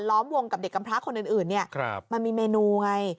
ล้อมวงกับเด็กกำพาคนอื่นเนี่ยมันมีเมนูไง